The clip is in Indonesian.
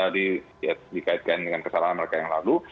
dikaitkan dengan kesalahan mereka yang lalu